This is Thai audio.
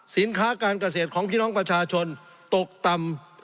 สินค้าการเกษตรของพี่น้องประชาชนตกต่ำ